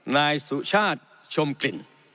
นายสุชาติชมกลิ่น